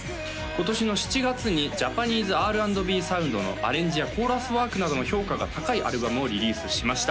今年の７月にＪａｐａｎｅｓｅＲ＆Ｂサウンドのアレンジやコーラスワークなどの評価が高いアルバムをリリースしました